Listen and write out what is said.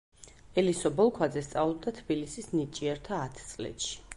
ელისო ბოლქვაძე სწავლობდა თბილისის ნიჭიერთა ათწლედში.